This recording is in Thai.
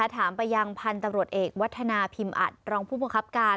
ถามไปยังพันธุ์ตำรวจเอกวัฒนาพิมอัดรองผู้บังคับการ